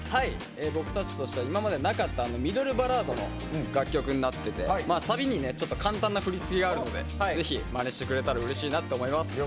僕たちとしては今までになかったミドルバラードの曲になっててサビに簡単な振り付けがあるのでぜひ、まねしてくれたらうれしいなと思います。